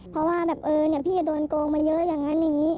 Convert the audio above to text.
เพราะว่าพี่โดนโกงมาเยอะอย่างนั้น